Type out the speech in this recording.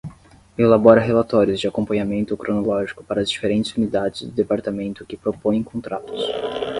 Elabora relatórios de acompanhamento cronológico para as diferentes unidades do Departamento que propõem contratos.